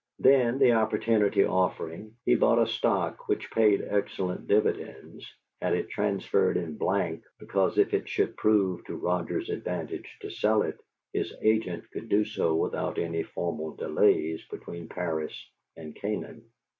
Then, the opportunity offering, he bought a stock which paid excellent dividends, had it transferred in blank, because if it should prove to Roger's advantage to sell it, his agent could do so without any formal delays between Paris and Canaan.